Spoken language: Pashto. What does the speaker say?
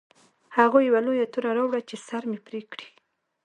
هغوی یوه لویه توره راوړه چې سر مې پرې کړي